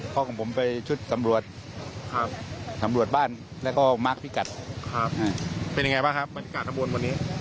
พ่อของผมไปชุดสำรวจสำรวจบ้านแล้วก็มากพิกัตรครับเป็นไงบ้างครับ